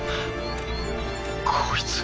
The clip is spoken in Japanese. こいつ。